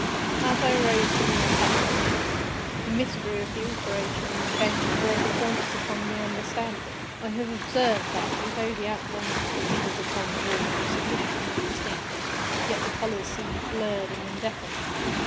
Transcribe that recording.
As I arose from the attempt, the mystery of the alteration in the chamber broke at once upon my understanding. I have observed that, although the outlines of the figures upon the walls were sufficiently distinct, yet the colors seemed blurred and indefinite.